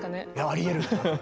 ありえるよ。